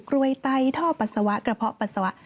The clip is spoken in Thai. รวยไตท่อปัสสาวะกระเพาะปัสสาวะ